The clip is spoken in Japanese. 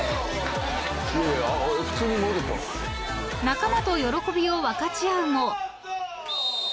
［仲間と喜びを分かち合うも］